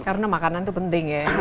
karena makanan itu penting ya